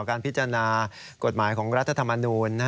การพิจารณากฎหมายของรัฐธรรมนูล